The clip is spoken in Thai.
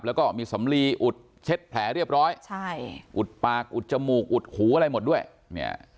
แล้วก็มีสำลีอุดเช็ดแผลเรียบร้อยใช่อุดปากอุดจมูกอุดหูอะไรหมดด้วยเนี่ย